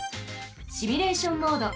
シミュレーション・モード。